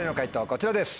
こちらです。